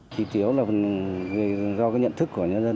khi tiếu là do nhận thức của nhân dân